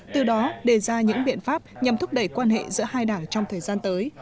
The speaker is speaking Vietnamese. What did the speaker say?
từ đó đề ra những biện pháp nhằm thúc đẩy quan hệ giữa hai đảng trong thời gian tới